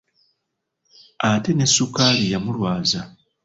Ate ne sukaali yamulwaza.